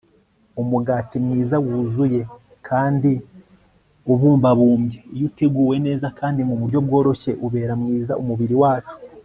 umugati mwiza wuzuye kandi ubumbabumbye, iyo uteguwe neza kandi mu buryo bworoshye, ubera mwiza umubiri wacu